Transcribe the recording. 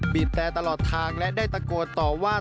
บีบแต่ตลอดทางและได้ตะโกนต่อว่า